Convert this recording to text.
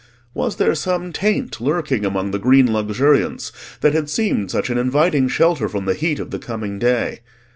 Was there some taint lurking amongst the green luxuriance that had seemed such an inviting shelter from the heat of the coming day?